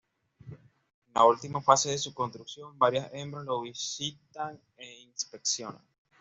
En la última fase de su construcción varias hembras lo visitan e inspeccionan.